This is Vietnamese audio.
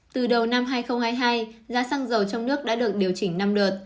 từ đầu năm hai nghìn hai mươi hai giá xăng dầu trong nước đã được điều chỉnh năm đợt